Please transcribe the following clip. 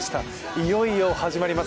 いよいよ始まります